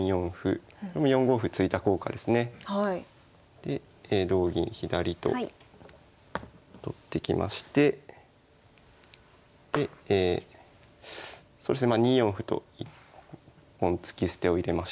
で同銀左と取ってきましてでそうですねまあ２四歩と一本突き捨てを入れました。